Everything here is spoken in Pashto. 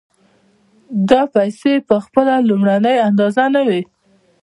دا پیسې په خپله لومړنۍ اندازه نه وي